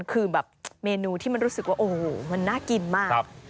คือแบบเมนูที่มันรู้สึกว่าโอ้โหมันน่ากินมาก